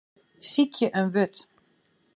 Sykje in wurd.